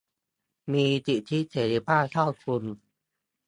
มีสิทธิเสรีภาพเท่าคุณ